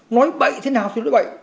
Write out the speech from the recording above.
nói bậy thế nào thì nói bậy